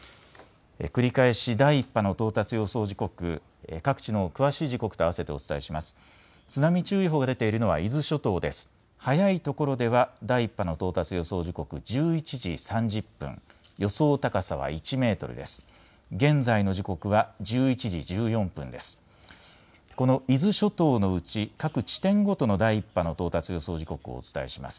繰り返し第１波の到達予想時刻、各地の詳しい時刻とあわせてお伝えします。